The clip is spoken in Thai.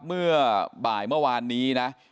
เมื่อบ่ายเมื่อวานนี้นะ